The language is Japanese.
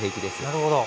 なるほど。